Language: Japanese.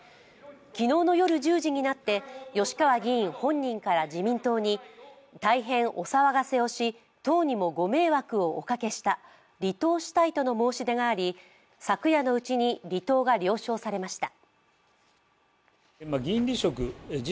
昨日の夜１０時になって吉川議員本人から自民党に大変お騒がせをし、党にもご迷惑をおかけした、離党したいとの申し出があり昨夜のうちに離党が了承されました。